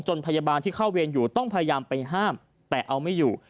พยาบาลที่เข้าเวรอยู่ต้องพยายามไปห้ามแต่เอาไม่อยู่